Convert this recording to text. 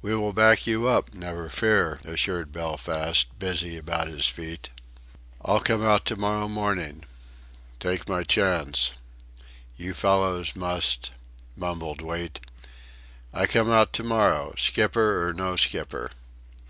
"We will back you up, never fear," assured Belfast, busy about his feet. "I'll come out to morrow morning take my chance you fellows must " mumbled Wait, "I come out to morrow skipper or no skipper."